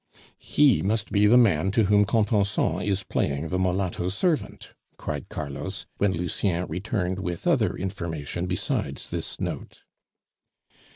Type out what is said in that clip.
"He must be the man to whom Contenson is playing the mulatto servant!" cried Carlos, when Lucien returned with other information besides this note.